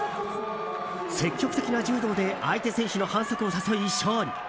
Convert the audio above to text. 積極的な柔道で相手選手の反則を誘い、勝利。